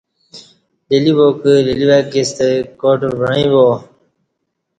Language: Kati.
لیلیواکہ لیلیواکی ستہ کاٹ وعیں با